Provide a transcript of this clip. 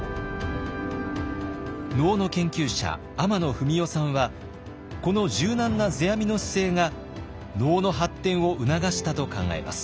能の研究者天野文雄さんはこの柔軟な世阿弥の姿勢が能の発展を促したと考えます。